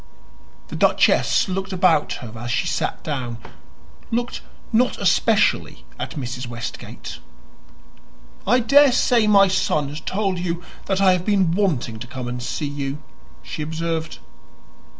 The duchess looked about her as she sat down looked not especially at Mrs. Westgate. "I daresay my son has told you that I have been wanting to come and see you," she observed.